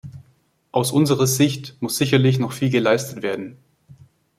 Aus unserer Sicht muss sicherlich noch viel geleistet werden.